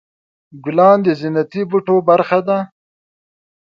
ګلان د زینتي بوټو برخه ده.